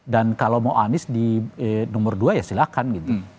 dan kalau mau anies di nomor dua ya silahkan gitu